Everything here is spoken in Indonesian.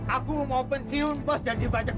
aku mau pensiun bos jadi bajak laut